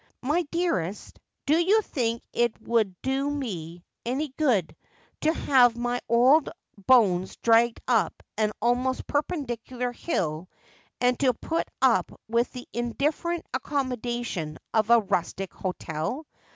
' My dearest, do you think it would do me any good to have my old bones dragged up an almost perpendicular hill, and to put up with the indifferent accommodation of a rustic hotel